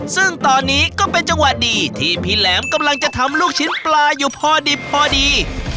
ซึ่งตอนนี้ก็เป็นจังหวะดีที่พี่แหลมกำลังจะทำลูกชิ้นปลาอยู่พอดิบพอดี